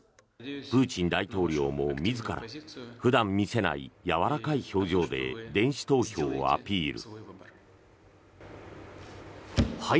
プーチン大統領も自ら普段見せないやわらかい表情で電子投票をアピール。